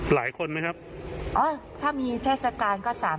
หลายคนไหมครับอ๋อถ้ามีเทศกาลก็สาม